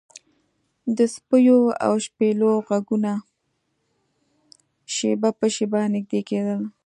د سپیو او شپېلیو غږونه شیبه په شیبه نږدې کیدل